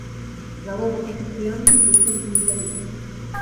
Заробак афіцыянтам быццам і невялікі.